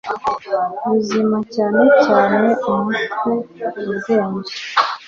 bizima cyane cyane umutwe ubwenge